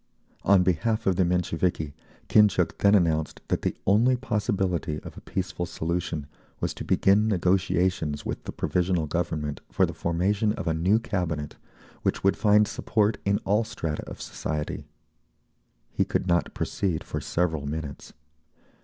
On behalf of the Mensheviki, Khintchuk then announced that the only possibility of a peaceful solution was to begin negotiations with the Provisional Government for the formation of a new Cabinet, which would find support in all strata of society. He could not proceed for several minutes.